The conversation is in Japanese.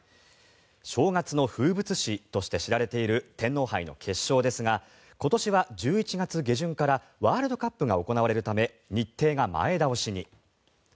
正月の風物詩として知られている天皇杯の決勝ですが今年は１１月下旬からワールドカップが行われるため日程が前倒しに。